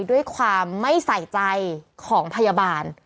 ด้วยความไม่ใส่ใจของพยาบาล